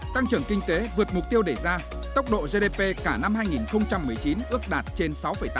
tăng trưởng kinh tế vượt mục tiêu đề ra tốc độ gdp cả năm hai nghìn một mươi chín ước đạt trên sáu tám